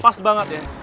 pas banget ya